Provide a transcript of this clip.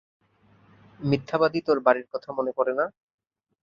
মিথ্যাবাদী, তোর বাড়ীর কথা মনে পরে না।